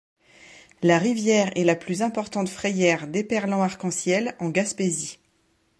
La rivière est la plus importante frayère d'éperlan arc-en-ciel en Gaspésie.